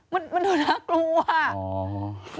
มันดูน่ากลัวอ่ะ